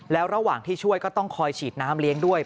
แล้วระหว่างที่ช่วยก็ต้องคอยฉีดน้ำเลี้ยงด้วย